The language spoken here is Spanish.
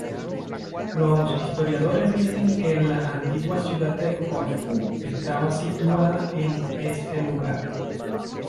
Los historiadores dicen que la antigua ciudad de Corfú estaba situada en este lugar.